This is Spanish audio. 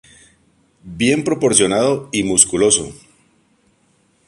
Bien proporcionado y musculoso.